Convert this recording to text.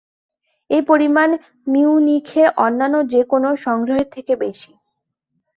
এই পরিমাণ মিউনিখের অন্যান্য যে কোনো সংগ্রহের থেকে বেশি।